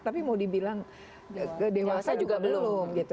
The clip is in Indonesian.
tapi mau dibilang dewasa juga belum gitu